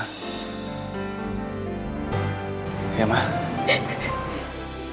karena kita akan selalu bersama